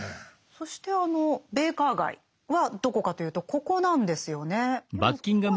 そしてあのベイカー街はどこかというとここなんですよね。